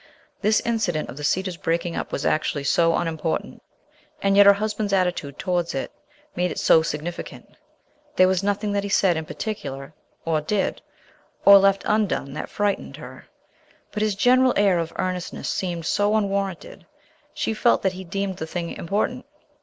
This incident of the cedar's breaking up was actually so unimportant, and yet her husband's attitude towards it made it so significant. There was nothing that he said in particular, or did, or left undone that frightened, her, but his general air of earnestness seemed so unwarranted. She felt that he deemed the thing important.